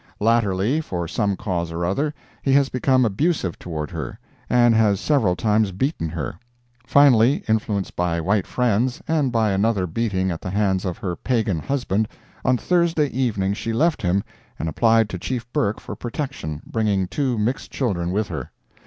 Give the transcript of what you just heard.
Latterly, for some cause or other, he has become abusive toward her, and has several times beaten her. Finally, influenced by white friends, and by another beating at the hands of her pagan husband, on Thursday evening she left him, and applied to Chief Burke for protection, bringing two mixed children with her.